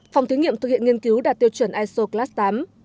phòng thí nghiệm thực hiện nghiên cứu đạt tiêu chuẩn iso class tám